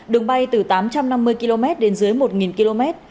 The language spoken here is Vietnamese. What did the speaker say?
đường bay từ tám trăm năm mươi km đến dưới một km